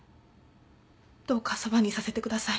どうかそばにいさせてください。